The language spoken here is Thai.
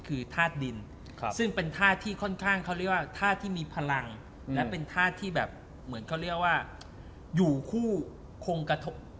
คือธาตุดินซึ่งเป็นธาตุที่ค่อนข้างเขาเรียกว่าท่าที่มีพลังและเป็นธาตุที่แบบเหมือนเขาเรียกว่าอยู่คู่คงกระทบ